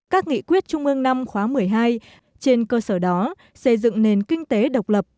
các nghị quyết trung ương năm khóa một mươi hai trên cơ sở đó xây dựng nền kinh tế độc lập